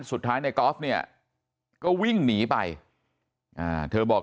สุดท้ายในกอล์ฟเนี่ยก็วิ่งหนีไปเธอบอก